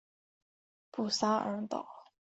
布沙尔岛。